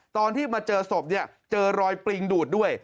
ตอนที่มาเจอศพเนี่ยเจอรอยปริงดูดด้วย